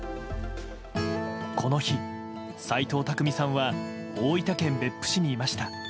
この日、斎藤工さんは大分県別府市にいました。